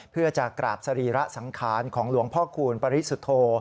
เพื่อจะกราบสรีระสังขารของหลวงพ่อคูณปริสุทธโธ